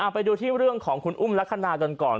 ไปดูที่เรื่องของคุณอุ้มลักษณะกันก่อน